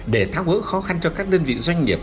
để thác ước khó khăn cho các đơn vị doanh nghiệp